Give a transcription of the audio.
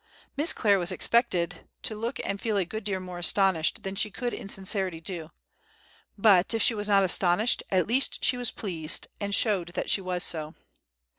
Miss Clare was expected to look and feel a good deal more astonished than she could in sincerity do; but if she was not astonished, at least she was pleased, and showed that she was so.